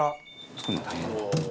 作るの大変。